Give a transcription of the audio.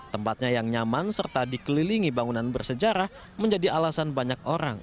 tempatnya yang nyaman serta dikelilingi bangunan bersejarah menjadi alasan banyak orang